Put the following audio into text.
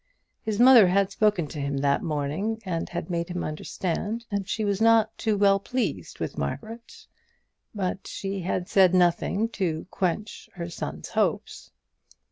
His mother had spoken to him that morning, and had made him understand that she was not well pleased with Margaret; but she had said nothing to quench her son's hopes.